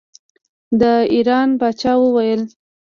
د ایران پاچا وویل.